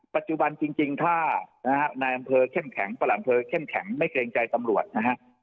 ปัจจุบันจริงถ้าประหลังเพลินอำเภอเข้มแข็งไม่เกรงใจตำรวจ